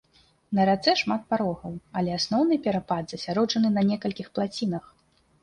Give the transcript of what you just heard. На рацэ шмат парогаў, але асноўны перапад засяроджаны на некалькіх плацінах.